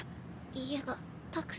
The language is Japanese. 家がたくさん。